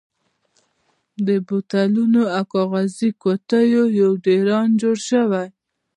د بوتلونو او کاغذي قوتیو یو ډېران جوړ شوی.